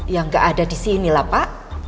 yang nggak ada di sini lah pak